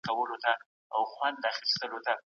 ایا کورني سوداګر پسته پروسس کوي؟